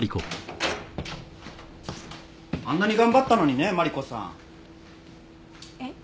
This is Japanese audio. あんなに頑張ったのにねマリコさん。えっ？